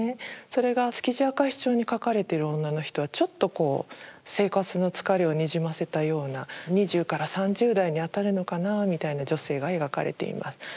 それが「築地明石町」に描かれている女の人はちょっとこう生活の疲れをにじませたような２０３０代に当たるのかなみたいな女性が描かれています。